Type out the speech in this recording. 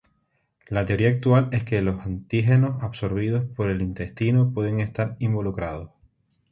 La teoría actual es que los antígenos absorbidos por el intestino pueden estar involucrados.